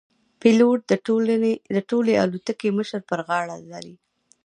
پیلوټ د ټولې الوتکې مشري پر غاړه لري.